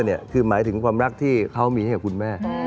คือหมายถึงความรักที่เขามีให้กับคุณแม่